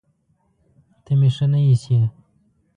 ته مې ښه نه ايسې